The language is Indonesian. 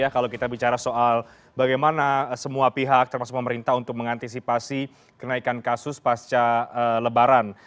kalau kita bicara soal bagaimana semua pihak termasuk pemerintah untuk mengantisipasi kenaikan kasus pasca lebaran